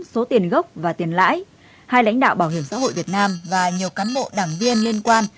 số tiền gốc và tiền lãi hai lãnh đạo bảo hiểm xã hội việt nam và nhiều cán bộ đảng viên liên quan